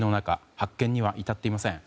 発見には至っていません。